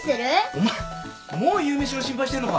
お前もう夕飯の心配してんのか。